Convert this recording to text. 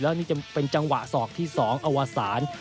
แล้วนี่จะเป็นจังหวะศอกที่๒อวสาร